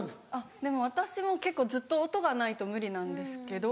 でも私も結構ずっと音がないと無理なんですけど。